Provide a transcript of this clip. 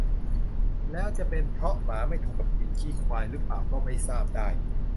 แล้วจะเป็นเพราะหมาไม่ถูกกับกลิ่นขี้ควายหรือเปล่าก็ไม่ทราบได้